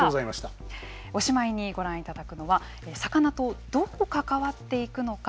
おしまいにご覧いただくのは魚とどう関わっていくのか。